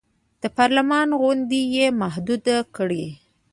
د پارلمان غونډې یې محدودې کړې.